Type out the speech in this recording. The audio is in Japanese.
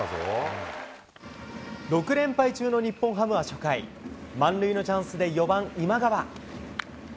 ６連敗中の日本ハムは初回、満塁のチャンスで４番今川。